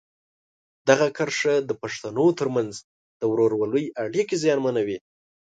دغه کرښه د پښتنو ترمنځ د ورورولۍ اړیکې زیانمنوي.